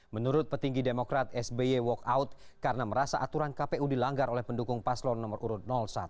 menurut petinggi demokrat sby walk out karena merasa aturan kpu dilanggar oleh pendukung paslon nomor urut satu